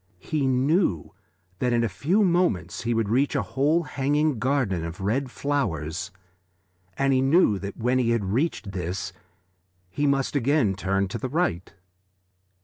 He knew that in a few moments he would reach a whole hanging garden of red flowers, and he knew that when he had reached this he must again turn to the right.